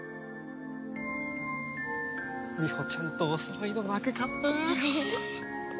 みほちゃんとおそろいのマグカップ！